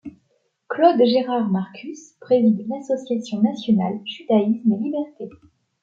Claude-Gérard Marcus préside l'Association Nationale Judaïsme et Liberté.